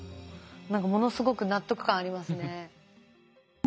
何かものすごく納得感ありますね。